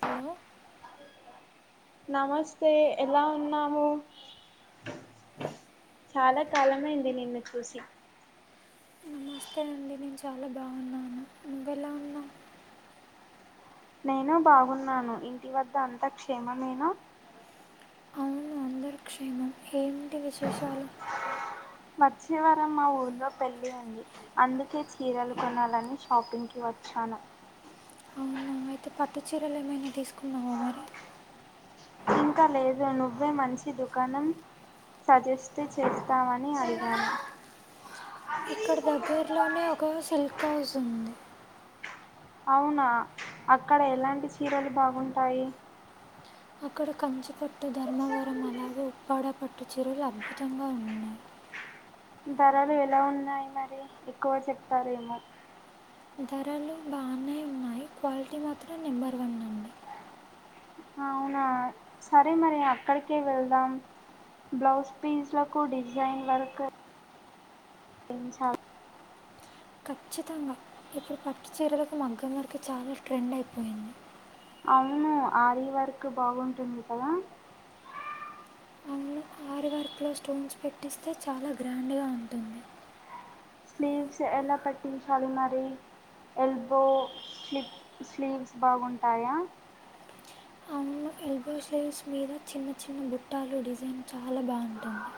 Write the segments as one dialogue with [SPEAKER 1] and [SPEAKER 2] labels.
[SPEAKER 1] Hello
[SPEAKER 2] నమస్తే ఎలా ఉన్నాము చాలా కాలమైంది నిన్ను చూసి
[SPEAKER 1] నమస్తే అండి నేను చాలా బాగున్నాను నువ్వెలా ఉన్నా
[SPEAKER 2] నేను బాగున్నాను ఇంటి వద్ద అంత క్షేమమేనా
[SPEAKER 1] అవును అందరు క్షేమం ఏంటి విశేషాలు
[SPEAKER 2] వచ్చే వారం మా ఊర్లో పెళ్లి ఉంది అందుకే చీరలు కొనాలని షాపింగ్కివ చ్చాను
[SPEAKER 1] అవునా అయితే పట్ చీరలు ఏమైనా తీసుకున్నావా మరి
[SPEAKER 2] ఇంకా లేదు నువ్వే మంచి దుకాణం సజెస్ట్ చేస్తావని అడిగాను
[SPEAKER 1] ఇక్కడ దగ్గర్ లోనే ఒక సిల్క్ హౌస్ ఉంది
[SPEAKER 2] అవునా అక్కడ ఎలాంటి చీరలు బాగుంటాయి
[SPEAKER 1] అక్కడ కంచిపట్టు, ధర్మవరం, అలాగే ఉప్పాడ పట్టు చీరలు అద్భుతంగా ఉన్నాయి
[SPEAKER 2] ధరలు ఎలా ఉన్నాయి మరి ఎక్కువ చెప్తారేమో
[SPEAKER 1] ధరలు బానే ఉన్నాయి క్వాలిటీ మాత్రం నెంబర్ వన్ అ
[SPEAKER 2] అవునా సరే మరి అక్కడికే వెళ్దాం బ్లౌజ్ పీసులకు డిజైన్ వర్క్ ఇంచాలి
[SPEAKER 1] ఖచ్చితంగా ఇప్పుడు పట్టు చీరలకు మగ్గం వర్క్ చాలా ట్రెండ్ అయిపోయింది
[SPEAKER 2] అవును ఆరీ వర్క్ బాగుంటుంది కదా
[SPEAKER 1] అవును ఆరి వర్క్లో స్టోన్స్ పెట్టిస్తే చాలా గ్రాండ్గా ఉంటుంది
[SPEAKER 2] స్లీవ్స్ ఎలా పెట్టించాలి మరి ఎల్బో స్లీ స్లీవ్స్ బాగుంటాయా
[SPEAKER 1] అవును ఎల్బో స్లీవ్స్ మీద చిన్న చిన్న గుట్టాలు డిజైన్ చాలా బాగుంటుంది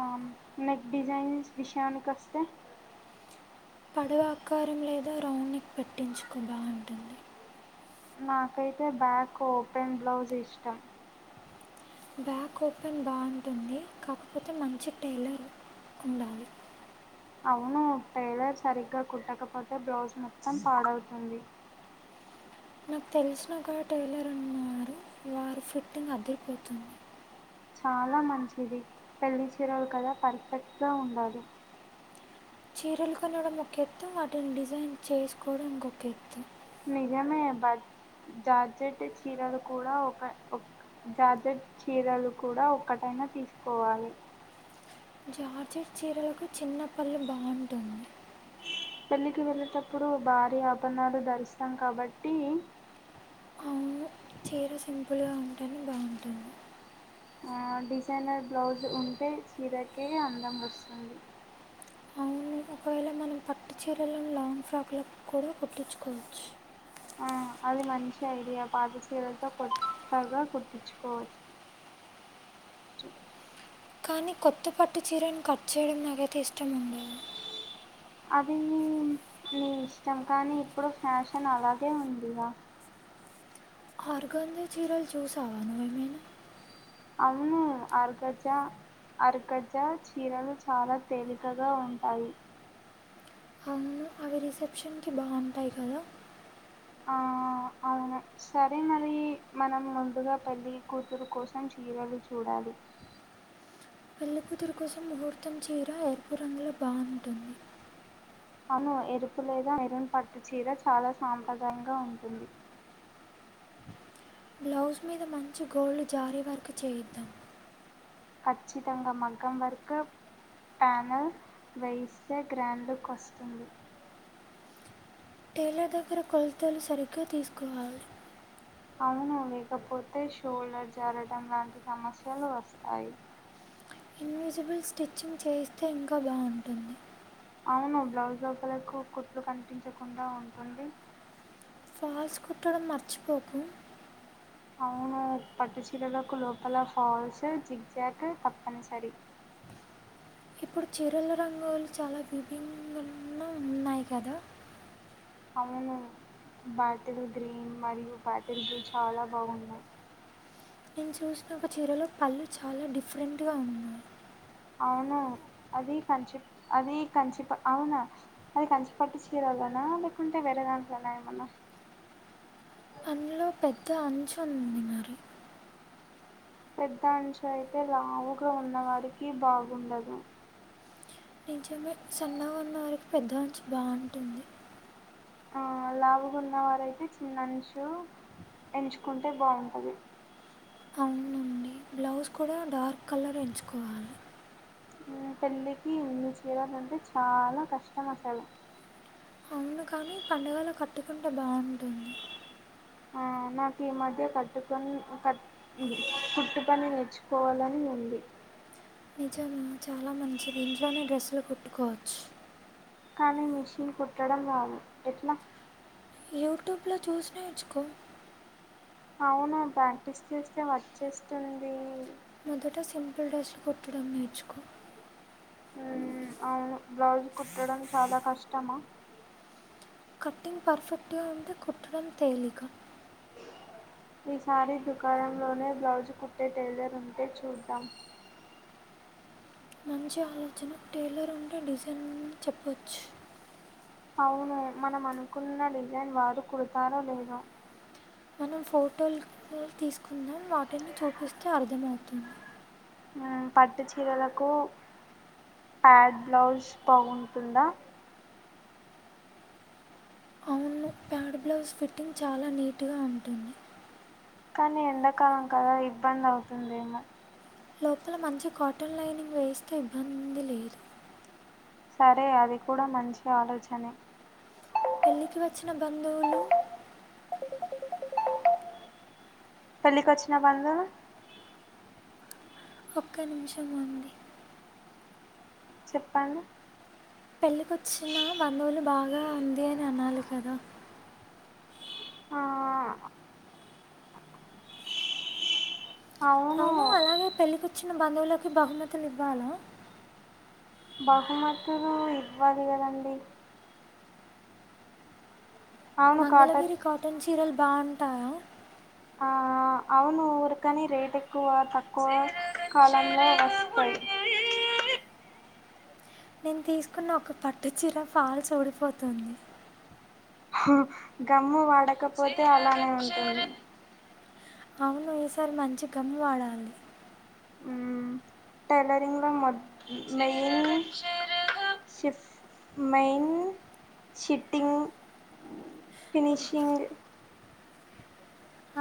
[SPEAKER 2] ఆ నెక్ డిజైన్స్ విషయానికి వస్తే
[SPEAKER 1] పడవ ఆకారం లేదా రౌండ్ నెక్ పెట్టించుకో బాగుంటుంది
[SPEAKER 2] నాకైతే బ్యాక్ ఓపెన్ బ్లౌజ్ ఇష్టం
[SPEAKER 1] బ్యాక్ ఓపెన్ బాగుంటుంది కాకపోతే మంచి టైలర్ ఉండాలి
[SPEAKER 2] అవును టైలర్ సరిగ్గా కుట్టకపోతే బ్లౌజ్ మొత్తం పాడవుతుంది
[SPEAKER 1] నాకు తెలిసిన ఒక టైలర్ అన్నారు వారి ఫిట్టింగ్ అద్దిరిపోతుంది
[SPEAKER 2] చాలా మంచిది పెళ్లి చీరలు కదా పర్ఫెక్ట్గా ఉండాలి
[SPEAKER 1] చీరలు కొనడం ఒక ఎత్తు వాటిని డిజైన్ చేసుకోవడం ఇంకొక ఎత్తు
[SPEAKER 2] నిజమే బ జార్జెట్ చీరలు కూడా ఒక ఒక జార్జెట్ చీరలు కూడా ఒక్కటైనా తీసుకోవాలి
[SPEAKER 1] జార్జెడ్ చీరలకు చిన్న పళ్ళు బాగుంటుంది
[SPEAKER 2] పెళ్లికి వెళ్ళేటప్పుడు భారీ ఆభరణాలు ధరిస్తాం కాబట్టి
[SPEAKER 1] అవును చీర సింపుల్గా ఉంటుందు బాగుంటుంది
[SPEAKER 2] డిజైనర్ బ్లౌజ్ ఉంటే చీరకే అందం వస్తుంది
[SPEAKER 1] అవును ఒకవేళ మనం పట్టు చీరలోని లాంగ్ ఫ్రాక్లో కూడా కుట్టించుకోవచ్చు
[SPEAKER 2] ఆ అది మంచి ఐడియా పాత చీరలతో కొత్తగా కుట్టించుకోవచ్చు ఇ చెప్
[SPEAKER 1] కానీ కొత్త పట్టు చీరను కట్ చేయడం నాకైతే ఇష్టం ఉండదు
[SPEAKER 2] అది నీ ఇష్టం కానీ ఇప్పుడు ఫ్యాషన్ అలాగే ఉందిగా
[SPEAKER 1] హార్గాందే చీరల్ చూసావా నువ్వేమైనా
[SPEAKER 2] అవును ఆర్గజా అర్కజ చీరలు చాలా తేలికగా ఉంటాయి
[SPEAKER 1] అవును అవి రిసెప్షన్ కి బాగుంటాయి కదా
[SPEAKER 2] ఆ అవును సరే మరి మనం ముందుగా పెళ్లి కూతురు కోసం చీరలు చూడాలి
[SPEAKER 1] పెళ్లి కూతురు కోసం ముహూర్తం చీర ఎర్పు రంగులో బాగుంటుంది
[SPEAKER 2] అను ఎరుపు లేద మెరూన్ పట్టు చీర చాలా సాంప్రదాయంగా ఉంటుంది.
[SPEAKER 1] బ్లౌజ్ మీద మంచి గోల్డ్ జారీ వర్క్ చేయిద్దాం.
[SPEAKER 2] ఖచ్చితంగ మగ్గం వర్క్ ప్యానల్ వైసే గ్రాండ్లుక్ వస్తుంది
[SPEAKER 1] టైలర్ దగ్గర కొలతలు సరిగ్గా తీసుకోవాలి
[SPEAKER 2] అవును లేకపోతే షోల్డర్ జారటము లాంటి సమస్యలు వస్తాయి.
[SPEAKER 1] ఇన్యుజిబుల్ స్టిచ్చింగ్ చేస్తే ఇంకా బాగుంటుంది.
[SPEAKER 2] అవును బ్లౌజ్ లోపలకు కుట్లు కనిపించకుండా ఉంటుంది
[SPEAKER 1] ఫాల్స్ కుట్టడం మర్చిపోకు
[SPEAKER 2] అవును పట్టు చీరలకు లోపల ఫాల్స్ జిగ్ జాక్ తప్పనిసరి
[SPEAKER 1] ఇప్పుడు చీరల రంగులు చాలా విభిన్నంగా ఉన్నాయి కదా
[SPEAKER 2] అవును బాటిల్ గ్రీన్ మరియు బాటిల్ బ్లూ చాలా బాగున్నాయి
[SPEAKER 1] నేను చూసిన ఒక చీరలో పల్లు చాలా డిఫరెంట్గా ఉన్నాయి
[SPEAKER 2] అవును అద కంచి అది కంచిప అవునా అది కంచిపట్ చీర లేకుంటే వేరే దాంట్లోనా ఏమన్నా
[SPEAKER 1] అందులో పెద్ద అంచు ఉండిది మరి
[SPEAKER 2] పెద్ద అంచు అయితే లావుగా ఉన్నవారికి బాగుండదు
[SPEAKER 1] నిజమే సన్నగా ఉన్న వరకి పెద్ద అంచు బాగుంటుంది
[SPEAKER 2] ఆ లావుగా ఉన్నవారైతే చిన్నంచు ఎంచుకుంటే బాగుంటది
[SPEAKER 1] అవునుండి బ్లౌజ్ కూడా డార్క్ కలర్ ఎంచుకోవాలి.
[SPEAKER 2] పెళ్ళికి ఇన్ని చిరాలంటే చాలా కష్టం అసలు
[SPEAKER 1] అవును కాని పండుగలకి కట్టుకుంటే బాగుంటుంది
[SPEAKER 2] ఆ నాకు ఈ మధ్య కట్టుకని క పుట్టు పని నేర్చుకోవాలని ఉంది.
[SPEAKER 1] నిజంగా చాలా మంచిది ఇంట్లోనే డ్రెస్సులు కుట్టుకోవచ్చు.
[SPEAKER 2] కానీ మిషిన్ కుట్టడం రాదు ఎట్లా
[SPEAKER 1] యూట్యూబ్లో చూసి నేర్చుకో
[SPEAKER 2] అవును ప్రాక్టీస్ చేస్తే వచ్చేస్తుంది
[SPEAKER 1] మొదట సింపుల్ డ్రెస్ కుట్టడం నేర్చుకో
[SPEAKER 2] ఉ అవును బ్లౌజ్ కుట్టడం చాలా కష్టమా
[SPEAKER 1] కట్టింగ్ పర్ఫెక్ట్గా ఉంటే కుట్టడం తేలిక
[SPEAKER 2] ఈసారి దుకాణంలోనే బ్లౌజు కుట్టే టైలర్ ఉంటే చూద్దాం
[SPEAKER 1] మంచి ఆలోచన టేలర్ ఉండే డిజైన్ని చెప్పచ్చు
[SPEAKER 2] అవును మనం అనుకున్న డిజైన్ వారు కుడతారో లేదో
[SPEAKER 1] మనం ఫోటోలు తీసుకుందాం వాటిని చూపిస్తే అర్థమవుతుంది
[SPEAKER 2] పట్టు చీరలకు ప్యాడ్ బ్లౌజ్ బాగుంటుందా
[SPEAKER 1] అవును ప్యాడ్ బ్లౌజ్ ఫిట్టింగ్ చాలా నీటుగా ఉంటుంది
[SPEAKER 2] కానీ ఎండాకాలం కదా ఇబ్బంది అవుతుందేమో
[SPEAKER 1] లోపల మంచి కాటన్ లైనింగ్ వేస్తే ఇబ్బంది లేదు
[SPEAKER 2] సరే అది కూడా మంచి ఆలోచనే
[SPEAKER 1] పెళ్లికి వచ్చిన బంధువులు
[SPEAKER 2] పెళ్ళికి వచ్చిన బంధువులు
[SPEAKER 1] ఒక్క నిమిషం అండి.
[SPEAKER 2] చెప్పాను
[SPEAKER 1] పెళ్ళికొచ్చిన బంధువులు బాగా ఉంది అని అనాలి కదా.
[SPEAKER 2] ఆ
[SPEAKER 1] అవును అలాగే పెళ్ళకొచ్చిన బంధువులకి బహుమతులు ఇవ్వాల
[SPEAKER 2] బహుమతులు ఇవ్వాలి కదండి. అవును కాటర్
[SPEAKER 1] మంగళగిరి కాటన్ చీరలు బావుంటాయా?
[SPEAKER 2] ఆ అవును ఊరకని రేట్ ఎక్కువ తక్కువ కాలంలో వస్తయి
[SPEAKER 1] నేను తీసుకున్న ఒక పట్టు చీర ఫాల్స్ ఊడిపోతుంది.
[SPEAKER 2] హ గమ్ము వాడకపోతే అలానే ఉంటుంది.
[SPEAKER 1] అవును ఈసారి మంచి గమ్ వాడాలి.
[SPEAKER 2] టైలరింగ్ లో మ మెయిన్ షిప్ మెయిన్ షిటింగ్ ఫినిషింగ్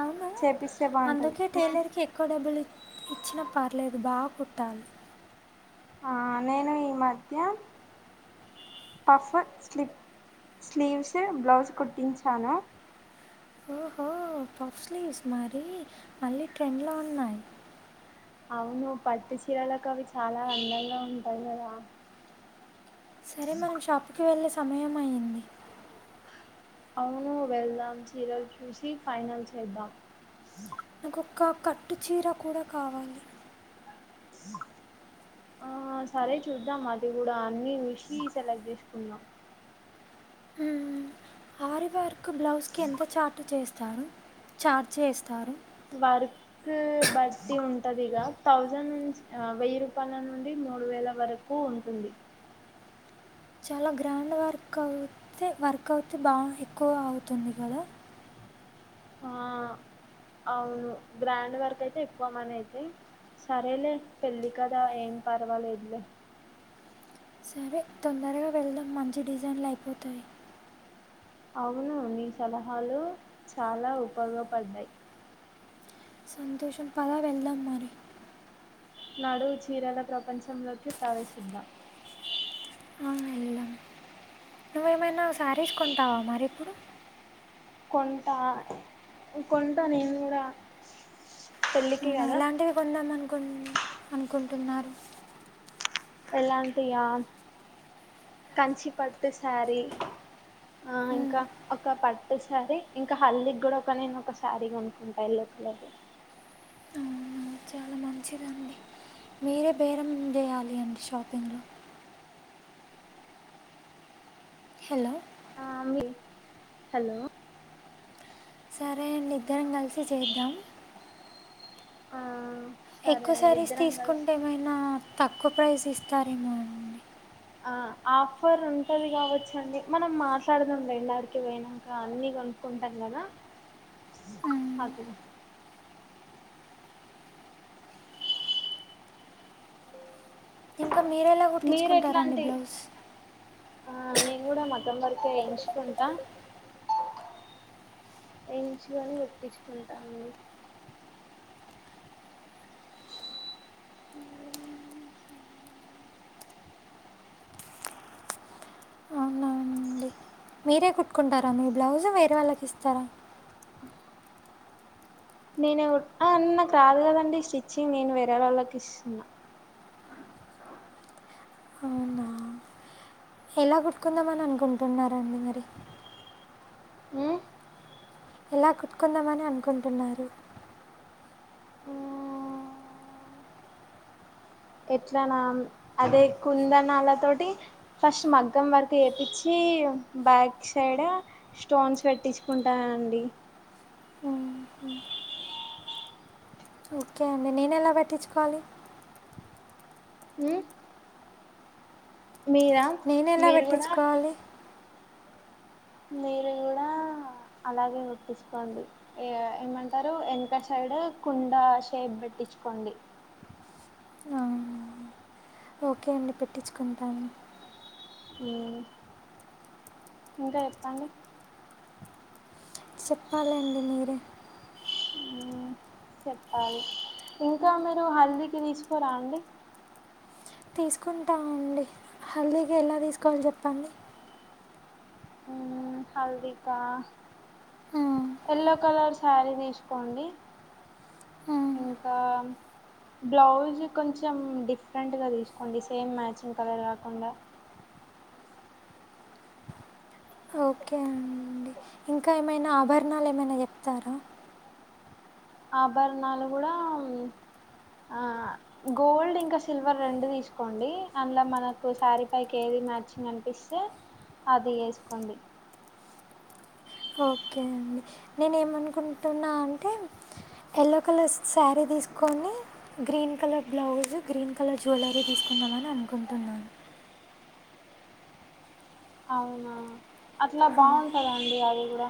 [SPEAKER 1] అవును
[SPEAKER 2] చెపిస్
[SPEAKER 1] అందుకే టైలర్కి ఎక్కువ డబ్బులు ఇచ్చిన పర్లేదు బా కుట్టాలి.
[SPEAKER 2] ఆ నేను ఈ మధ్య పఫ్ స్లీ స్లీవ్స్ బ్లౌజ్ కుట్టించాను.
[SPEAKER 1] ఉ పస్లీవ్స్ మరి మళ్ళీ ట్రెండ్లో ఉన్నాయి.
[SPEAKER 2] అవును పట్టు చీరలకు అవి చాలా అందగా ఉంటాయి కదా.
[SPEAKER 1] సరే మనం షాప్కి వెళ్ళే సమయం అయ్యింది.
[SPEAKER 2] అవును వెళ్దాం చీరలు చూసి ఫైనల్ చేద్దాం.
[SPEAKER 1] నాకొక్క పట్టు చీర కూడా కావాలి.
[SPEAKER 2] ఆ ఆ సరే చూద్దాం అది కూడా అన్ని చూసి సెలెక్ట్ చేసుకున్నాం.
[SPEAKER 1] వారి వర్క్ బ్లౌజ్కి ఎంత చార్ట్ చేస్తారు చార్జ్ చేస్తారు.
[SPEAKER 2] వర్క్ బట్టి ఉంటది ఇగ థౌజండ్ నుంచి ఆ వెయ్యి రూపాయల నుండి మూడు వేల వరకు ఉంటుంది.
[SPEAKER 1] చాలా గ్రాండ్ వర్క్ అవుతే వర్క్ అవుతే బాగా ఎక్కువ అవుతుంది కదా.
[SPEAKER 2] ఆ అవును గ్రాండ్ వర్క్ అయితే ఎక్కువ మనీ అయితే సరేలే పెళ్ళి కదా ఏం పర్వాలేదులే
[SPEAKER 1] సరే తొందరగా వెళ్దాం మంచి డిజైన్లు అయిపోతాయి.
[SPEAKER 2] అవును నీ సలహాలు చాలా ఉపయోగపడ్డాయి.
[SPEAKER 1] సంతోషం పదా వెళ్దాం మరి
[SPEAKER 2] నాడు చీరల ప్రపంచంలోకి ప్రవేశిద్దాం.
[SPEAKER 1] పోయినావ్ శారీస్ కొంటావా మరి ఇప్పుడు
[SPEAKER 2] కొంట కొంటా నేను కూడా తెళ్లి
[SPEAKER 1] ఏలాంటివి కొందాం అనుకు అనుకుంటున్నారు?
[SPEAKER 2] ఎలాంటియా కంచిపట్టుసారీ ఆ
[SPEAKER 1] మ్మ్.
[SPEAKER 2] ఇంకా అ ఒక పట్టు శారీ ఇంకా హల్దికి కూడా ఒక నేను ఒక శారీ కొనుక్కుంటాను ఎల్లో కలరు.
[SPEAKER 1] అవునా వేరే బేరం వేయాలి అండి షాపింగ్లో హలో
[SPEAKER 2] ఆ మీ హలో
[SPEAKER 1] సరే అండి ఇద్దరం కలిసి చేద్దాం.
[SPEAKER 2] ఆ సరే
[SPEAKER 1] ఎక్కువ
[SPEAKER 2] అండి
[SPEAKER 1] శారీస్
[SPEAKER 2] ఇద్దరం కలిసి
[SPEAKER 1] తీసుకుంటే ఏమైనా తక్కువ ప్రైస్ ఇస్తారేమోనండి.
[SPEAKER 2] ఆ ఆఫర్ ఉంటది కావచ్చండి, మనం మాట్లాడదాం లెండి ఆడకి పోయినాంక అన్ని కొనుక్కుంటా. అట్లన
[SPEAKER 1] మ్మ్.
[SPEAKER 2] హకుం
[SPEAKER 1] ఇంకా మీరేలా
[SPEAKER 2] మీరు
[SPEAKER 1] కుట్టించుకుంటారండి
[SPEAKER 2] ఎట్లాంటి
[SPEAKER 1] బ్లౌస్
[SPEAKER 2] ఆ నేను కూడా మగ్గం వర్క్ ఏ వేయించుకుంటా ఏయించుకొ ని కుట్టించుకుంటా అండి
[SPEAKER 1] అవునా అండి మీరే కుట్టుకుంటారా మీ బ్లౌజు వేరే వాళ్ళకి ఇస్తారా
[SPEAKER 2] ఆ హ్ నేను కుట్ నాకు రాదు కదండి స్టిచ్చింగ్ నేను వేరేవాళ్ళకు ఇస్తున్నా
[SPEAKER 1] అవునా ఎలా కుట్టుకుందామని అనుకుంటున్నారండి మరి
[SPEAKER 2] ఉమ్
[SPEAKER 1] ఎలా కుట్టుకుందామని అనుకుంటున్నారు
[SPEAKER 2] ఎట్లానా అదే కుందనాల తోటి ఫస్ట్ మగ్గం వరకు వేపిచ్చి టీ బ్యాక్ సైడ్ స్టోన్స్ పెట్టించుకుంటానండి
[SPEAKER 1] మ్మ్. ఓకే అండి నేను ఎలా పెట్టించుకోవాలి
[SPEAKER 2] ఉమ్ మీరా
[SPEAKER 1] నేను ఎలా
[SPEAKER 2] మీరు కూడా
[SPEAKER 1] పెట్టించుకోవాలి
[SPEAKER 2] మీరు కూడా అలాగే కుట్టించుకోండి ఏ ఏమంటారు ఏనక సైడే కుండ షేప్ బెట్టి ఇచుకోండి
[SPEAKER 1] అవునా. ఓకే అండి పెట్టించుకుంటాను
[SPEAKER 2] ఉమ్ ఇంకా చెప్పండి
[SPEAKER 1] సెప్పాలండి మీరే
[SPEAKER 2] సెప్పాలి ఇంకా మీరు హాల్దీకి తీసుకోరా అండి
[SPEAKER 1] తీసుకుంటామండి హల్దీకి ఎలా తీసుకోవాలోి చెప్పండి
[SPEAKER 2] ఉ హల్దికా
[SPEAKER 1] ఆ,
[SPEAKER 2] ఎల్లో కలర్ శారీ తీసుకోండి
[SPEAKER 1] ఆ,
[SPEAKER 2] ఇంకా బ్లౌజ్ కొంచెం డిఫరెంట్గా తీసుకోండి సేమ్ మ్యాచింగ్ కలర్ కాకుండా
[SPEAKER 1] [inaudible] ఓకే అండి ఇంకా ఏమైనా ఆభరణాలు ఏమైనా చెప్తారా
[SPEAKER 2] ఆభరణాలు కూడా హుమ్ ఆ గోల్డ్ ఇంకా సిల్వర్ రెండు తీసుకోండి అందులో మనకు శారీ పైకి ఏది ఏది మ్యాచింగ్ అనిపిస్తే అది ఏసుకోండి
[SPEAKER 1] ఓకే అండి నేను ఏమనుకుంటున్నా అంటే యల్లో కలర్ స్ శారీ తీసుకోని green colour blouse green colour jewellery తీసుకుందామని అనుకుంటున్నాను
[SPEAKER 2] అవునా అట్లా
[SPEAKER 1] ఆ,
[SPEAKER 2] బాగుంటదండి అవి కూడా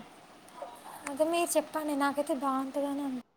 [SPEAKER 1] అదే మీరు చెప్పండి నాకైతే బాగుంటదనే అన్